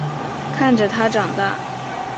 看着他长大